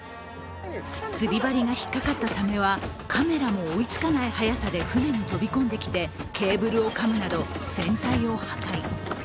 釣り針が引っかかったサメは、カメラも追いつかない速さで船に飛び込んできてケーブルをかむなど船体を破壊。